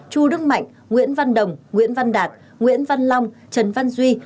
chu đức mạnh nguyễn văn đồng nguyễn văn đạt nguyễn văn long trần văn duy